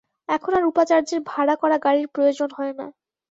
এখন আর উপাচার্যের ভাড়া করা গাড়ির প্রয়োজন হয় না।